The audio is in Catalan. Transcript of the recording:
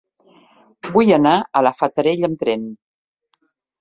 Vull anar a la Fatarella amb tren.